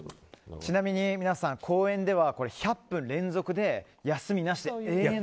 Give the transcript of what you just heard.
ちなみに、皆さん公演では１００分連続で休みなしで永遠と。